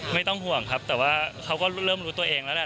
ไม่ต้องห่วงครับแต่ว่าเขาก็เริ่มรู้ตัวเองแล้วแหละ